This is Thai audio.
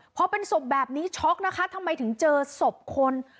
พอเป็นศพแบบนี้ช็อกนะคะทำไมถึงเจอศพคน